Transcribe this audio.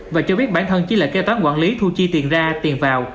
và cho biết bản thân chỉ là kế toán quản lý thu chi tiền ra tiền vào